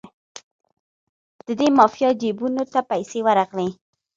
د دې مافیا جیبونو ته پیسې ورغلې.